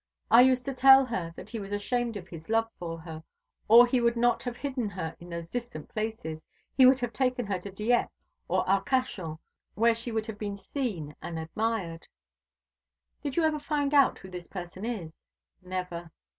I used to tell her that he was ashamed of his love for her, or he would not have hidden her in those distant places. He would have taken her to Dieppe or Arcachon, where she would have been seen and admired." "Did you ever find out who this person is?" "Never."